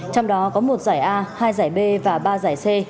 trong đó có một giải a hai giải b và ba giải c